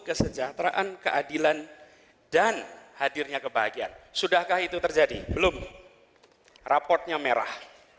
kesejahteraan keadilan dan hadirnya kebahagiaan sudahkah itu terjadi belum raportnya merah